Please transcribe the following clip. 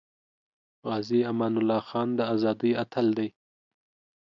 غازی امان الله خان د ازادی اتل دی